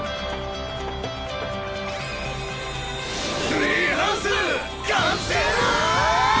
ツリーハウス完成だ！